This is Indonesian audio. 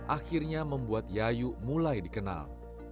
akhirnya membuat yayu mulai dikenal